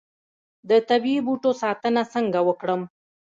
د طبیعي بوټو ساتنه څنګه وکړم؟